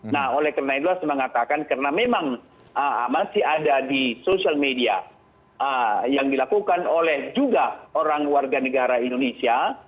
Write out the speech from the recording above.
nah oleh karena itu harus mengatakan karena memang masih ada di sosial media yang dilakukan oleh juga orang warga negara indonesia